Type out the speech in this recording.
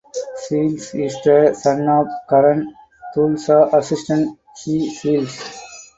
Seals is the son of current Tulsa assistant Shea Seals.